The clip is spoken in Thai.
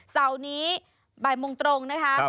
เส้านี้บ่ายมุมตรงนะคะ